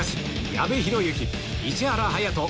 矢部浩之市原隼人